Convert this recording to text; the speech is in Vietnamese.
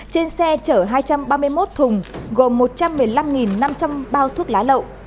trên xe chở hai trăm ba mươi một thùng gồm một trăm một mươi năm năm trăm linh bao thuốc lá lậu